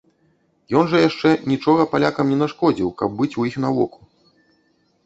Ён жа яшчэ нічога палякам не нашкодзіў, каб у іх быць на воку?